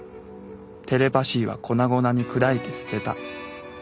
テレパ椎は粉々に砕いて捨てた。